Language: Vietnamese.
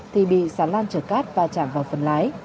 thì bị xà lan chở cát và chạm vào phần lái